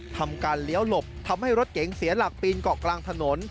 ทำการเลี้ยวหลบทำให้รถเก๋งเสียหลักปีนเกาะกลางถนน